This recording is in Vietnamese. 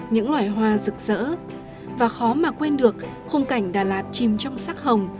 những loài hoa rực rỡ và khó mà quên được khung cảnh đà lạt chìm trong sắc hồng